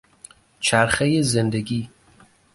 چرخهی زندگی